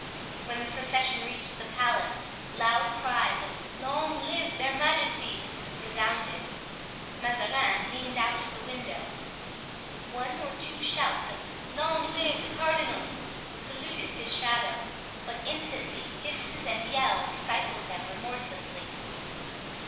When the procession reached the palace, loud cries of "Long live their majesties!" resounded. Mazarin leaned out of the window. One or two shouts of "Long live the cardinal" saluted his shadow; but instantly hisses and yells stifled them remorselessly.